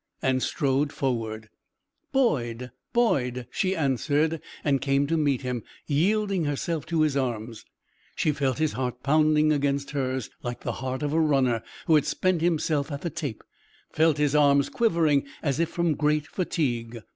and strode forward. "Boyd! Boyd!" she answered and came to meet him, yielding herself to his arms. She felt his heart pounding against hers like the heart of a runner who has spent himself at the tape, felt his arms quivering as if from great fatigue.